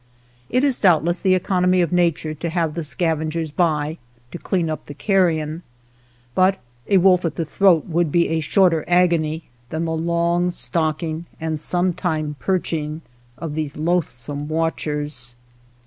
It is doubt less the economy of nature to have the scavengers by to clean up the carrion, but a wolf at the throat would be a shorter agony than the long stalking and sometime perchings of these loathsome watchers.